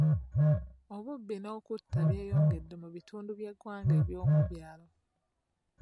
Obubbi n'okutta byeyongedde mu bitundu by'eggwanga eby'omu byalo.